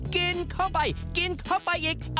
กินเข้าไปกินเข้าไปอีก